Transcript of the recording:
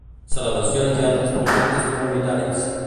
Celebracions i altres projectes comunitaris.